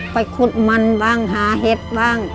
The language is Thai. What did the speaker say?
ขุดมันบ้างหาเห็ดบ้าง